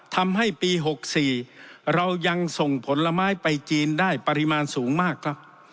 ทำให้ปี๖๔เรายังส่งผลไม้ไปจีนได้ปริมาณสูงมากครับ